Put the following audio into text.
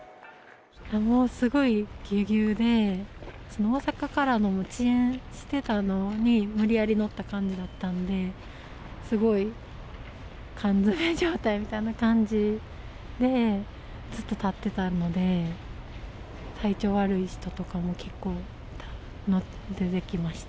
すごいぎゅうぎゅうで、大阪からの遅延してたのに無理やり乗った感じだったので、すごい缶詰め状態みたいな感じで、ずっと立ってたので、体調悪い人とかも結構出てきました。